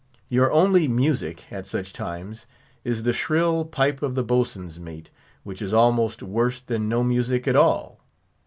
Your only music, at such times, is the shrill pipe of the boatswain's mate, which is almost worse than no music at all.